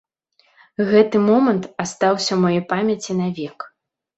Гэты момант астаўся ў маёй памяці навек.